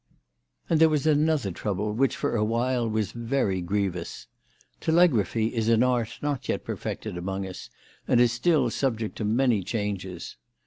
And there was another trouble which for awhile was very grievous. Telegraphy is an art not yet perfected among us and is still subject to many changes.